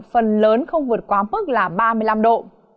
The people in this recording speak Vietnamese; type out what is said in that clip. phần lớn không vượt quá mức là ba mươi năm độ